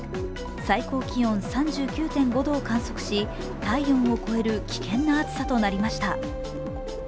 最高気温３９．５度を観測し、体温を超える危険な暑さとなりました。